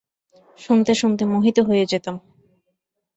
শুনতে শুনতে মোহিত হয়ে যেতাম।